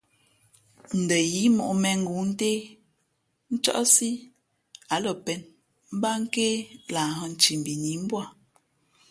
Ndα yíí mōʼ mēngoo ntě, ncάʼsǐ á lα pēn mbát nké lahhᾱ nthimbi nǐ mbū â.